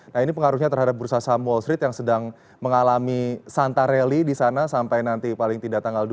seharusnya terhadap perusahaan wall street yang sedang mengalami santareli di sana sampai nanti paling tidak tanggal dua